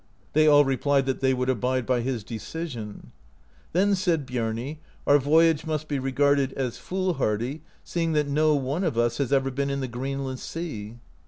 They all replied that they would abide by his decision. Then said Biami, "Our voyage must be regarded as foolhardy, seeing that no one of us has ever been in the Greenland Sea."